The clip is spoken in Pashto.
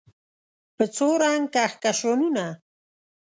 په څو رنګ کهکشانونه